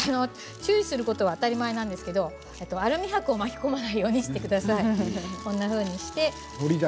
注意することは当たり前なんですけれどもアルミはくを巻き込まないようにしてください。